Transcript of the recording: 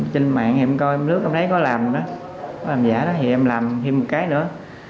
trên mạng em coi em lướt em lấy có làm đó có làm giả đó thì em làm thêm một cái nữa